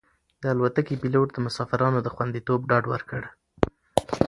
د الوتکې پېلوټ د مسافرانو د خوندیتوب ډاډ ورکړ.